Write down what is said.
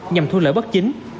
nhằm thu lợi bất chính